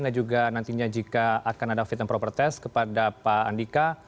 juga nantinya jika akan ada fit and proper test kepada pak andika